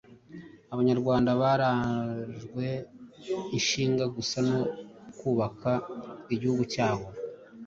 Abanyarwanda barajwe ishinga gusa no kubaka igihugu cyabo